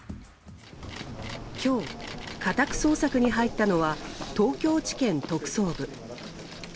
今日、家宅捜索に入ったのは東京地検特捜部。